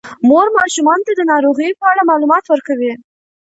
مور ماشومانو ته د ناروغیو په اړه معلومات ورکوي.